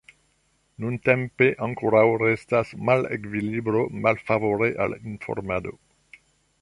Nuntempe ankoraŭ restas malevkilibro malfavore al informado.